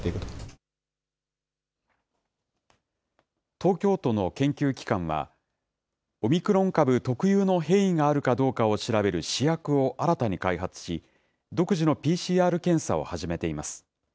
東京都の研究機関は、オミクロン株特有の変異があるかどうかを調べる試薬を新たに開発し、独自のＰＣＲ検査を始めています。